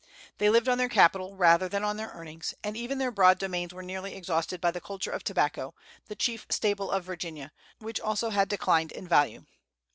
They lived on their capital rather than on their earnings, and even their broad domains were nearly exhausted by the culture of tobacco, the chief staple of Virginia, which also had declined in value.